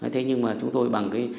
thế nhưng mà chúng tôi bằng